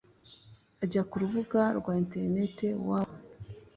ajya ku rubuga rwa internet www